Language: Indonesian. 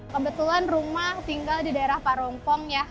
kebetulan rumah tinggal di daerah parongkong ya